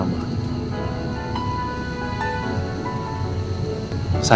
dengan alasan yang sama